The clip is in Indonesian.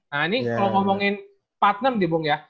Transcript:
nah ini kalau ngomongin partner nih bung ya